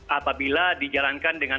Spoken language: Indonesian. apabila dijalankan dengan